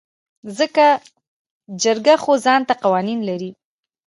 ځکه جرګه خو ځانته قوانين لري .